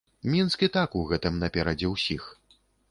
Мінск і так у гэтым наперадзе ўсіх.